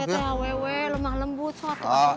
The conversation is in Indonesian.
eh teh hawewe lemah lembut soal